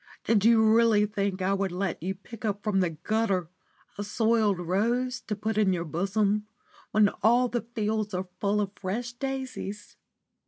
Did you really think I would let you pick up from the gutter a soiled rose to put in your bosom when all the fields are full of fresh daisies?